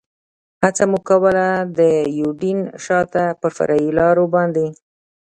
هڅه مو کول، د یوډین شاته پر فرعي لارو باندې.